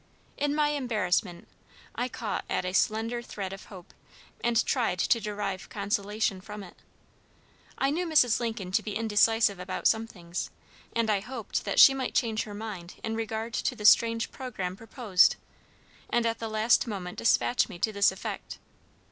In my embarrassment, I caught at a slender thread of hope, and tried to derive consolation from it. I knew Mrs. Lincoln to be indecisive about some things, and I hoped that she might change her mind in regard to the strange programme proposed, and at the last moment despatch me to this effect.